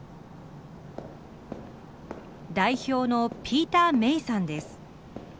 代表のピーター・メイさんです。